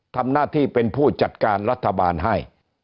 ทำหน้าที่เป็นผู้จัดการรัฐบาลให้